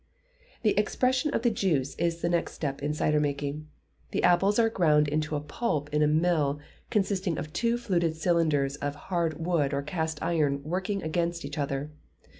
The expression of the juice is the next step in cider making. The apples are ground to a pulp in a mill, consisting of two fluted cylinders of hard wood or cast iron working against each other.